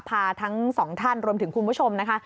พาทั้งสองท่านรวมถึงคุณผู้ชมนะคะ